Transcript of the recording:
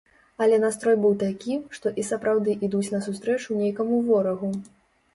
Але настрой быў такі, што і сапраўды ідуць насустрэчу нейкаму ворагу.